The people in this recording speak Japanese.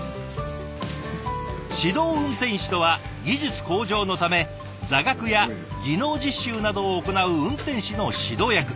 指導運転士とは技術向上のため座学や技能実習などを行う運転士の指導役。